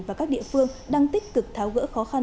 và các địa phương đang tích cực tháo gỡ khó khăn